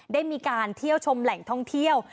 ได้มีการเที่ยวชมแหล่งท่องเที่ยว